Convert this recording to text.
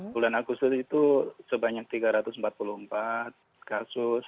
bulan agustus itu sebanyak tiga ratus empat puluh empat kasus